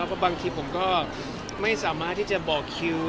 เพราะบางทีผมก็ไม่สามารถที่จะบอกคิว